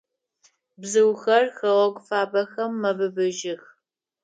Бзыухэр хэгъэгу фабэхэм мэбыбыжьых.